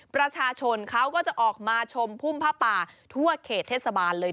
ประชาชนเขาก็จะออกมาชมพุ่มผ้าป่าทั่วเขตเทศบาลเลย